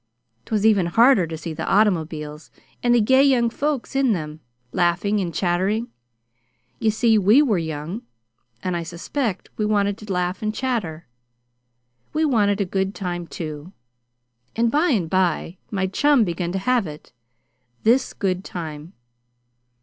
'Twas even harder to see the automobiles, and the gay young folks in them, laughing and chatting. You see, we were young, and I suspect we wanted to laugh and chatter. We wanted a good time, too; and, by and by my chum began to have it this good time.